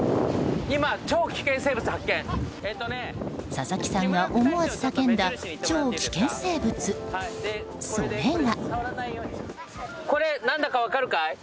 佐々木さんが思わず叫んだ超危険生物、それが。